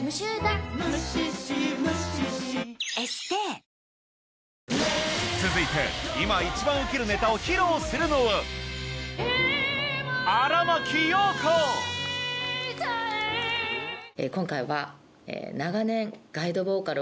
本麒麟続いて今一番ウケるネタを披露するのは今回は。